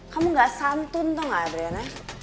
kamu enggak santun dong ya adriana